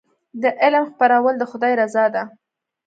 د علم خپرول د خدای رضا ده.